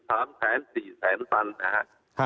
๓แสน๔แสนตันนะฮะ